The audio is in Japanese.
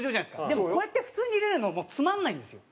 でもこうやって普通に入れるのもうつまんないんですよ。